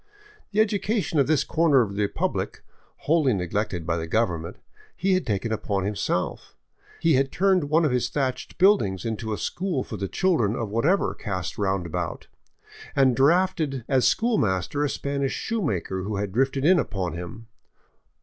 The education of this corner of the republic, wholly neglected by the government, he had taken upon himself ; had turned one of his thatched buildings into a school for the children of whatever cast roundabout, and drafted as school master a Spanish shoemaker who had drifted in upon him.